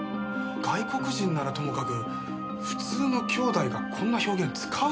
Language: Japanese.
外国人ならともかく普通の姉弟がこんな表現使うでしょうか？